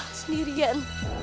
dia sendiri em